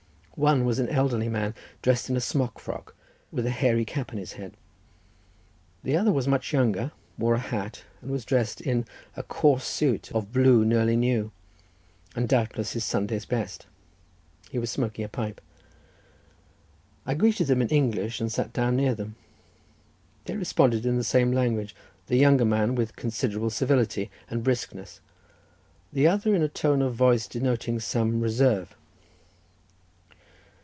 One was an elderly man, dressed in a smock frock, and with a hairy cap on his head. The other was much younger, wore a hat, and was dressed in a coarse suit of blue, nearly new, and doubtless his Sunday's best. He was smoking a pipe. I greeted them in English, and sat down near them. They responded in the same language, the younger man with considerable civility and briskness, the other in a tone of voice denoting some reserve.